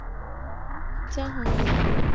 江孔殷。